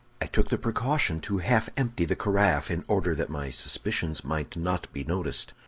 "I took the precaution to half empty the carafe, in order that my suspicions might not be noticed.